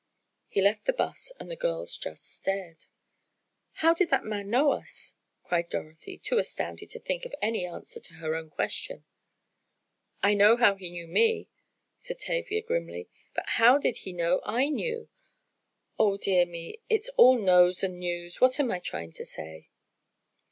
He left the 'bus and the girls just stared! "How did that man know us?" cried Dorothy, too astounded to think of any answer to her own question. "I know how he knew me," said Tavia, grimly. "But how did he know I knew? Oh, dear me, it's all knows and knews; what am I trying to say?"